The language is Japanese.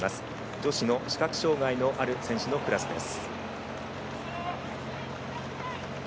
女子の視覚障がいのあるクラスです。